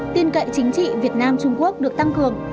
tin cậy chính trị việt nam trung quốc được tăng cường